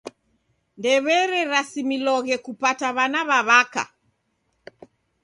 Ndowererasimiloghe kupata w'ana w'a w'aka.